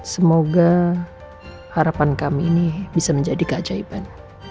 semoga harapan kami ini bisa menjadi keajaiban